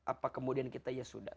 apa kemudian kita ya sudah